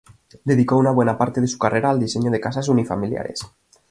Dedicó una buena parte de su carrera al diseño de casas unifamiliares.